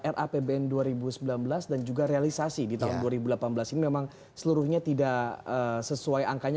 rapbn dua ribu sembilan belas dan juga realisasi di tahun dua ribu delapan belas ini memang seluruhnya tidak sesuai angkanya